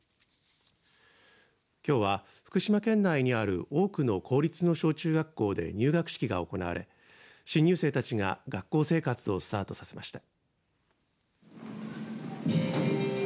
きょうは福島県内にある多くの公立の小中学校で入学式が行われ新入生たちが学校生活をスタートさせました。